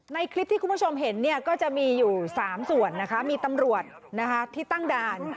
ในคลิปที่คุณผู้ชมเห็นเนี่ยก็จะมีอยู่๓ส่วนนะคะมีตำรวจที่ตั้งด่าน